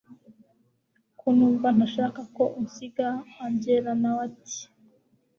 ko numva ntashaka ko unsiga angella nawe ati